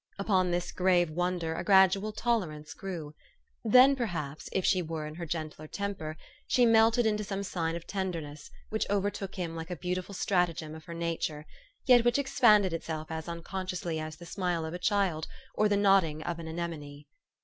Upon this grave wonder a gradual tolerance grew ; then, perhaps, if she were in her gentler temper, she melted into some sign of tenderness, which overtook him like a beautiful stratagem of her nature, yet which expended itself as unconsciously as the smile of a child, or the nodding of an anemone.